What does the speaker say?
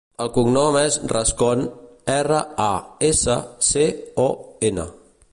El cognom és Rascon: erra, a, essa, ce, o, ena.